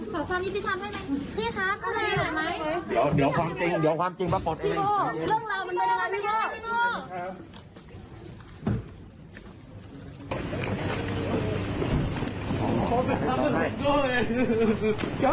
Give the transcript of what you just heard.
มีอะไรพูดมั้ยมีอะไรพูดมั้ยพูดได้มั้ย